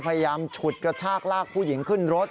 ฉุดกระชากลากผู้หญิงขึ้นรถ